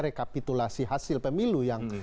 rekapitulasi hasil pemilu yang